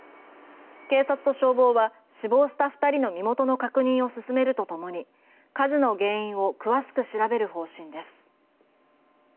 警察と消防は死亡した２人の身元の確認を進めるとともに火事の原因を詳しく調べる方針です。